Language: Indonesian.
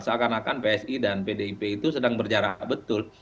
seakan akan psi dan pdip itu sedang berjarak betul